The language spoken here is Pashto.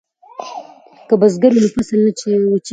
که بزګر وي نو فصل نه وچیږي.